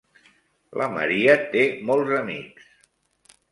La Maria té molts amics.